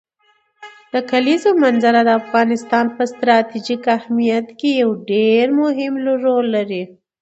د کلیزو منظره د افغانستان په ستراتیژیک اهمیت کې یو ډېر مهم رول لري.